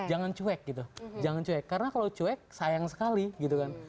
jangan cuek gitu jangan cuek karena kalau cuek sayang sekali gitu kan